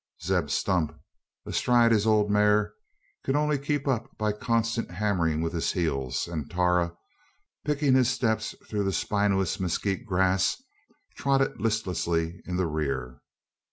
Zeb Stump, astride his "ole maar," could only keep up by a constant hammering with his heels; and Tara, picking his steps through the spinous mezquite grass, trotted listlessly in the rear.